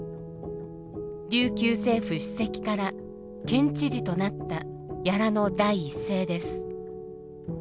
琉球政府主席から県知事となった屋良の第一声です。